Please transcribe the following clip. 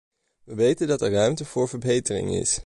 We weten dat er ruimte voor verbetering is.